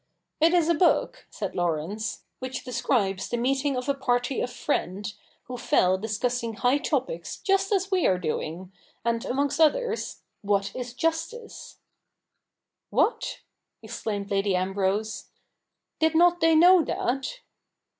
' It is a book.' said Laurence, ' which describes the meeting of a party of friends, who fell discussing high topics just as we are doing, and, amongst others, What is justice ?' 6 98 THE NEW REPUBLIC [p,k. ii ' What '' exclaimed Lady Ambrose. ' Did not they know that